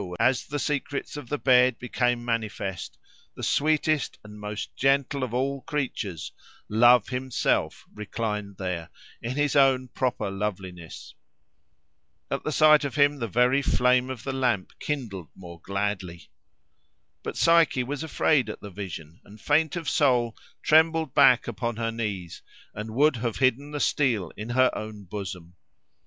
as the secrets of the bed became manifest, the sweetest and most gentle of all creatures, Love himself, reclined there, in his own proper loveliness! At sight of him the very flame of the lamp kindled more gladly! But Psyche was afraid at the vision, and, faint of soul, trembled back upon her knees, and would have hidden the steel in her own bosom.